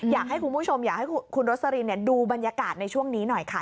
อยากให้คุณผู้ชมอยากให้คุณรสลินดูบรรยากาศในช่วงนี้หน่อยค่ะ